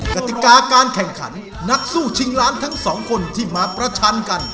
กติกาการแข่งขันนักสู้ชิงล้านทั้งสองคนที่มาประชันกัน